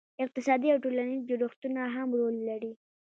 اقتصادي او ټولنیز جوړښتونه هم رول لري.